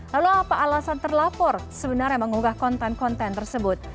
lalu apa alasan terlapor sebenarnya mengunggah konten konten tersebut